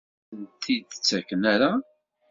Ur asen-t-id-ttaken ara?